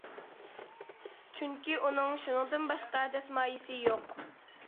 چۈنكى ئۇنىڭ شۇنىڭدىن باشقا دەسمايىسى يوق.